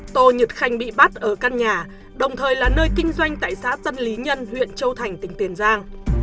tô nhật khanh bị bắt ở căn nhà đồng thời là nơi kinh doanh tại xã tân lý nhân huyện châu thành tỉnh tiền giang